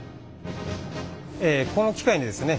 この機械でですね